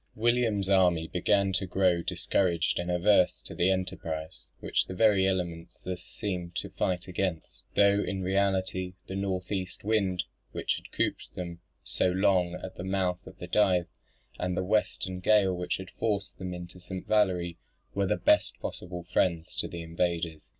William's army began to grow discouraged and averse to the enterprise, which the very elements thus seemed to fight against; though in reality the north east wind which had cooped them so long at the mouth of the Dive, and the western gale which had forced them into St. Valery, were the best possible friends to the invaders.